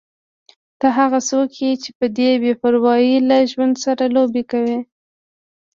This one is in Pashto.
ته هغه څوک یې چې په بې پروايي له ژوند سره لوبې کوې.